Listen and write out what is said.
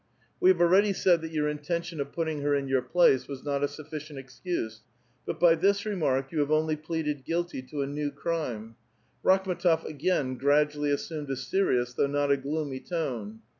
*' We have already said that your intention of putting her in your place was not a sufficient excuse, but by this remark you have only pleaded guilty to a jievv crime." Rakhtn^tof again gradually assumed a serious, though not a gloomy, tone.